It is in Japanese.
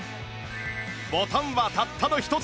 ボタンはたったの１つ